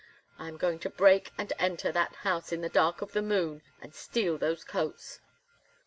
I am going to break and enter that house in the dark of the moon, and steal those coats."